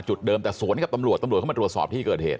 เดิมแต่สวนกับตำรวจตำรวจเข้ามาตรวจสอบที่เกิดเหตุ